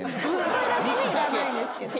これだけねいらないですけど。